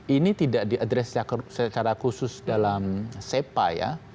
ini tidak diadres secara khusus dalam sepa ya